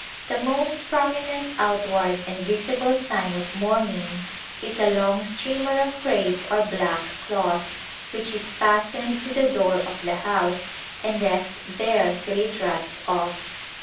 The most prominent outward and visible sign of mourning is a long streamer of crape or black cloth, which is fastened to the door of the house and left there till it rots off.